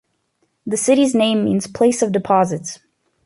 The city's name means place of deposits.